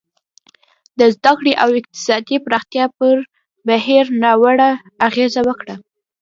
د زده کړې او اقتصادي پراختیا پر بهیر ناوړه اغېز وکړ.